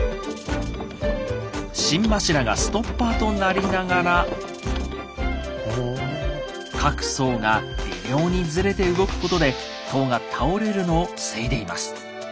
心柱がストッパーとなりながら各層が微妙にズレて動くことで塔が倒れるのを防いでいます。